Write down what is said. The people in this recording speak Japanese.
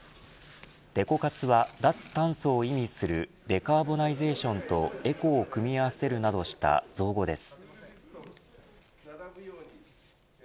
デコ活は脱炭素を意味するデカーボナイゼーションとエコを組み合わせるなどした造語です。